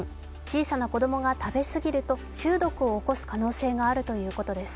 小さな子供が食べ過ぎると中毒を起こす可能性があるということです。